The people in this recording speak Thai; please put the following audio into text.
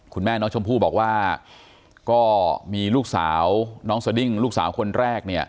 คุณแม่น้องชมพู่บอกว่าก็มีลูกสาวน้องสดิ้งลูกสาวคนแรกเนี่ย